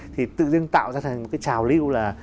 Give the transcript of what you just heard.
thì tự dưng tạo ra thành một cái trào lưu là